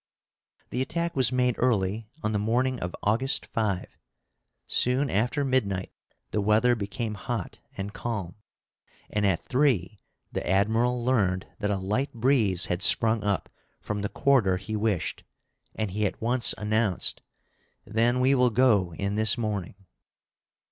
The attack was made early on the morning of August 5. Soon after midnight the weather became hot and calm, and at three the Admiral learned that a light breeze had sprung up from the quarter he wished, and he at once announced, "Then we will go in this morning."